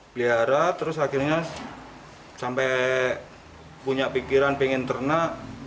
pelihara terus akhirnya sampai punya pikiran pengen ternak